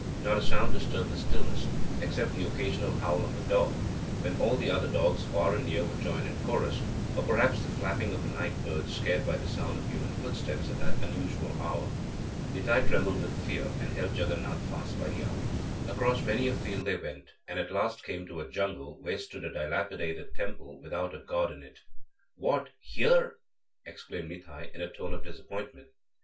Not a sound disturbed the stillness, except the occasional howl of a dog, when all the other dogs far and near would join in chorus, or perhaps the flapping of a night bird, scared by the sound of human footsteps at that unusual hour. Nitai trembled with fear, and held Jaganath fast by the arm. Across many a field they went, and at last came to a jungle, where stood a dilapidated temple without a god in it. 'What, here!' exclaimed Nitai in a tone of disappointment.